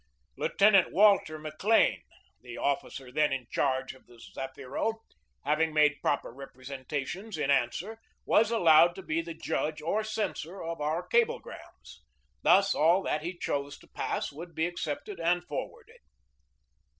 Lieutenant Walter McLean, the officer then in charge of the Zafiro, having made proper representations in answer, was allowed to be the judge or censor of our cablegrams. Thus, all that he chose to pass would be accepted and for warded.